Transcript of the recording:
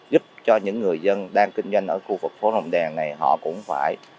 giúp cho những người dân đang kinh doanh ở khu vực phố rồng đèn này họ cũng phải